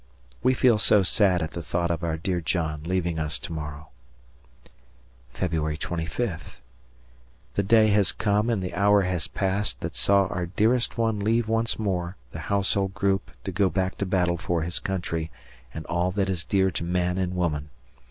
We feel so sad at the thought of our dear John leaving us to morrow. Feb. 25th. The day has come and the hour has passed that saw our dearest one leave once more the household group to go back to battle for his country and all that is dear to man and woman.